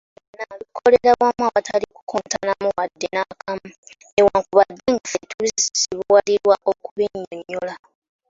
Ebyo byonna bikolera wamu awatali kukontamuuko wadde nakamu , newankubadde nga ffe tuzibuwalirwa okubinyonyola.